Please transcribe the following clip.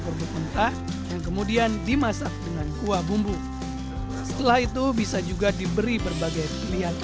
kerupuk mentah yang kemudian dimasak dengan kuah bumbu setelah itu bisa juga diberi berbagai pilihan